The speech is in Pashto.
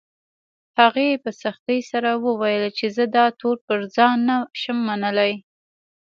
هغې په سختۍ سره وويل چې زه دا تور پر ځان نه شم منلی